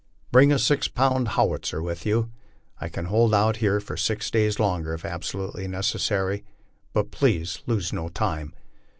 Bi'ing a six pound howitzer with you. I can hold out here for six days longer, if absolutely necessary, but please lose no time.